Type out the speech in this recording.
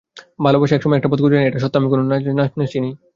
ভালোবাসা সবসময় একটা পথ খুঁজে নেয়, এটা সত্য আমি কোনো নাচিনি।